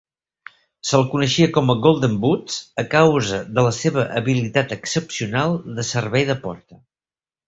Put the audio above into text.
Se'l coneixia com a "golden boots" a causa de la seva habilitat excepcional de servei de porta.